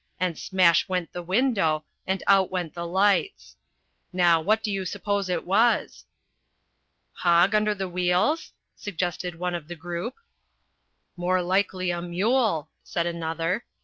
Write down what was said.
and smash went the window, and out went the lights. Now, what do you suppose it was?" "Hog under the wheels?" suggested one of the group. "More likely a mule," said another.